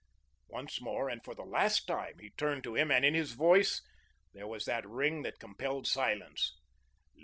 Once more and for the last time he turned to him and in his voice there was that ring that compelled silence.